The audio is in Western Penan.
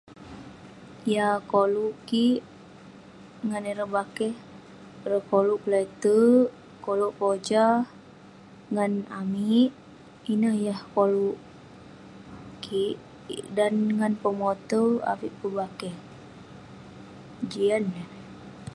Yah koluk kik ngan ireh bakeh, ireh koluk kelete'erk, koluk pojah ngan amik. Ineh yah koluk kik. Dan ngan pemotew avik peh bakeh, jian eh.